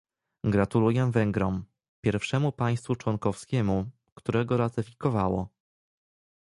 Gratuluję Węgrom, pierwszemu państwu członkowskiemu, które go ratyfikowało